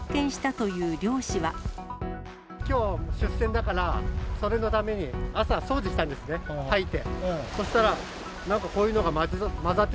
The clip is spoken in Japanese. きょう、出船だから、それのために、朝、掃除したんですね、はいて。